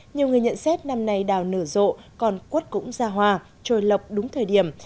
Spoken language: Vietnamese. nhiều người nhận xét năm nay đào nở rộ còn quất cũng ra hoa trôi lọc đúng thời điểm